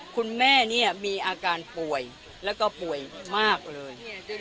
คุณแม่เนี่ยมีอาการป่วยแล้วก็ป่วยมากเลย